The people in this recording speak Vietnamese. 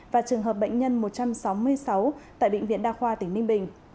và trường hợp bệnh nhân một trăm sáu mươi sáu tại bệnh viện đa khoa tỉnh ninh bình